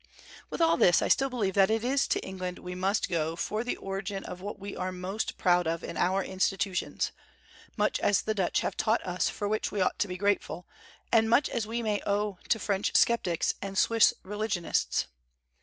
With all this, I still believe that it is to England we must go for the origin of what we are most proud of in our institutions, much as the Dutch have taught us for which we ought to be grateful, and much as we may owe to French sceptics and Swiss religionists.